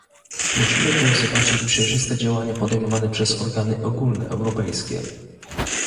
Musimy też zobaczyć przejrzyste działania podejmowane przez organy ogólnoeuropejskie